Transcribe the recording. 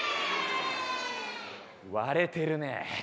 割れてるね。